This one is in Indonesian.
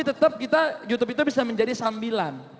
youtube itu bisa menjadi sambilan